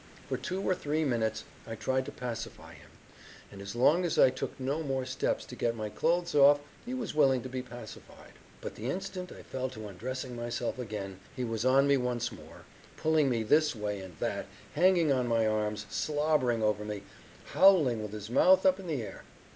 For two or three minutes I tried to pacify him, and as long as I took no more steps to get my clothes off he was willing to be pacified; but the instant I fell to undressing myself again he was on me once more, pulling me this way and that, hanging on my arms, slobbering over me, howling with his mouth up in the air.